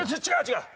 違う！